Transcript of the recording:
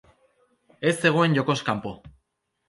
Ez zegoen jokoz kanpo.